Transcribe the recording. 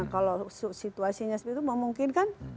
kalau situasinya seperti itu mungkin kan